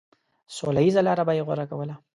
سوله ييزه لاره به يې غوره کوله.